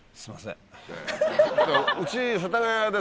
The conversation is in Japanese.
うち。